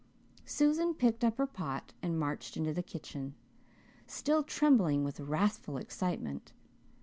Susan picked up her pot and marched into the kitchen, still trembling with wrathful excitement.